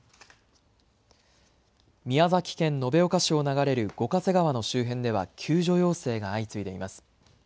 宮崎県延岡市を流れる五ヶ瀬川の周辺では救助要請が相次いでいます。